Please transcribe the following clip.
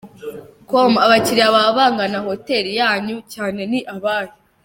com : Abakiriya baba bagana Hotel yanyu cyane ni abahe ?.